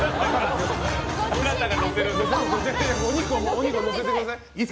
お肉を載せてください。